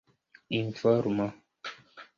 informo